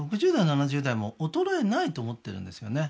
６０代７０代も衰えないと思ってるんですよね